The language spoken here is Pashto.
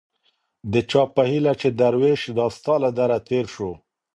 د چا په هيله چي دروېش دا ستا له دره تېر سو